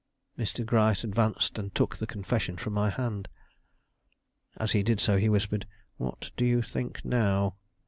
Mr. Gryce advanced and took the confession from my hand. As he did so, he whispered: "What do you think now?